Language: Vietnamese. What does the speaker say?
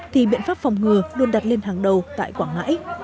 thì biện pháp phòng ngừa luôn đặt lên hàng đầu tại quảng ngãi